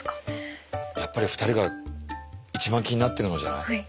やっぱり２人が一番気になってるのじゃない？